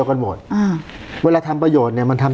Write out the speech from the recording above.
ยังไม่ได้รวมถึงกรณีว่าคุณปรินาจะได้ที่ดินเพื่อการเกษตรหรือเปล่า